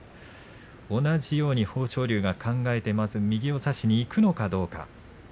同じように豊昇龍が考えてまず右を差しにいくのかどうか。